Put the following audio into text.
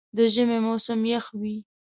د ژمي موسم یخ وي.